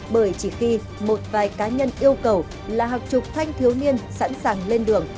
bởi chỉ khi một vài cá nhân yêu cầu là học trục thanh thiếu niên sẵn sàng lên đường